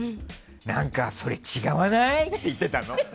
何か、それ違わない？って言ってたの。